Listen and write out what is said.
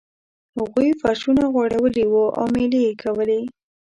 هغوی فرشونه غوړولي وو او میلې یې کولې.